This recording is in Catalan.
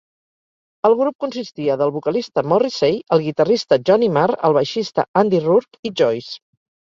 El grup consistia del vocalista Morrissey, el guitarrista Johnny Marr, el baixista Andy Rourke i Joyce.